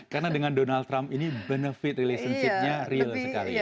karena dengan donald trump ini benefit relationshipnya real sekali